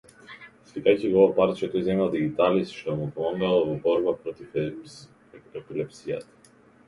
Сликајќи го ова парче, тој земал дигиталис, што му помагало во бората против епилепсијата.